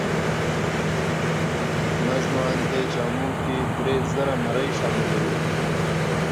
ټولټال دې جامو کې درې زره مرۍ شاملې وې.